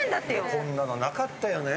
こんなのなかったよね。